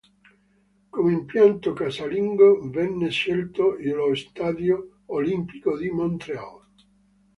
Come impianto casalingo venne scelto lo Stadio Olimpico di Montréal.